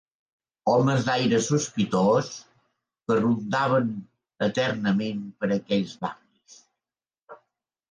Homes d'aire sospitós, que rondaven eternament per aquells barris.